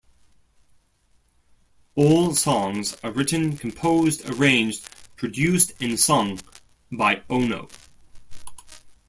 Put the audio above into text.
All songs are written, composed, arranged, produced, and sung by Ono.